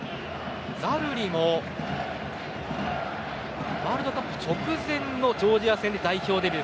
ザルリもワールドカップ直前のジョージア戦で代表デビュー。